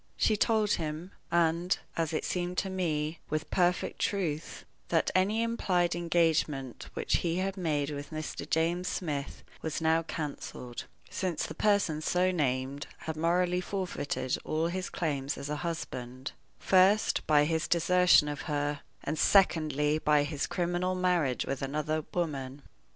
She told him and, as it seemed to me, with perfect truth that any implied engagement which he had made with Mr. James Smith was now canceled, since the person so named had morally forfeited all his claims as a husband, first, by his desertion of her, and, secondly, by his criminal marriage with another woman.